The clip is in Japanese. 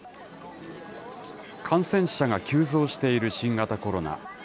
感染者が急増している新型コロナ。